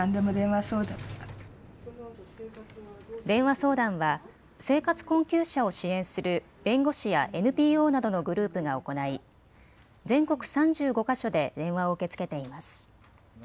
電話相談は生活困窮者を支援する弁護士やＮＰＯなどのグループが行い、全国３５か所で電話を受け付けています。